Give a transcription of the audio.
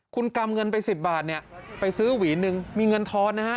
คุณกำเงินไป๑๐บาทเนี่ยไปซื้อหวีนหนึ่งมีเงินทอนนะฮะ